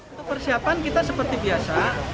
untuk persiapan kita seperti biasa